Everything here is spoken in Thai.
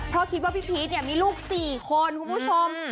เพราะคิดว่าพี่พีชเนี่ยมีลูก๔คนคุณผู้ชม